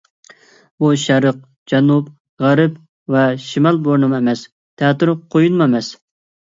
بۇ شەرق، جەنۇب، غەرب ۋە شىمال بورىنىمۇ ئەمەس، تەتۈر قۇيۇنمۇ ئەمەس.